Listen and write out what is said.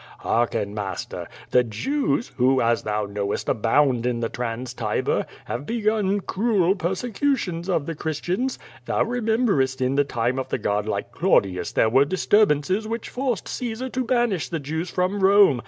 Hearken, master! The Jews, who as thou knowest abound in the Trans Tiber, have begun cruel persecutions of the Christians. Thou rememberest in the time of the god like Claudius there were disturbances which forced Caesar to banish the Jews from Rome.